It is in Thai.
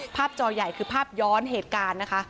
จอใหญ่คือภาพย้อนเหตุการณ์นะคะ